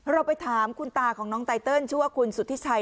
เราไปถามคุณตาของน้องไตเติลชื่อว่าคุณสุธิชัย